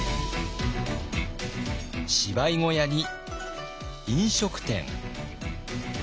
芝居小屋に飲食店。